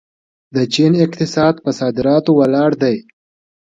د چین اقتصاد په صادراتو ولاړ دی.